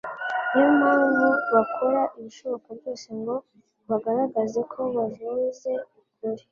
niyo mpamvu bakora ibishoboka byose ngo bagaragaze ko bavuze ukuri